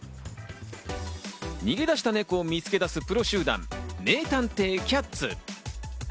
逃げ出したネコを見つけ出すプロ集団・名探偵キャッツ。